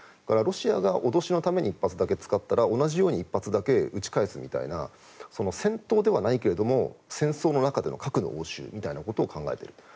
ロシアが脅しのために１発だけ使ったら同じように１発だけ撃ち返すみたいな戦闘ではないけれども戦争の中での核の応酬みたいなことを考えている。